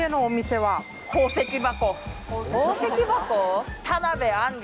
宝石箱？